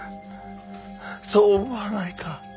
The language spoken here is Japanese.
そう思わないか？